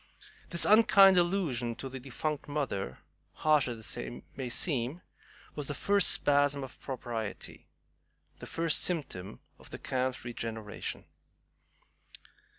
This unkind allusion to the defunct mother, harsh as it may seem, was the first spasm of propriety, the first symptom of the camp's regeneration.